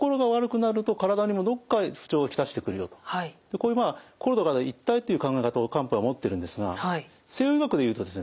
これまあ心と体一体という考え方を漢方は持ってるんですが西洋医学でいうとですね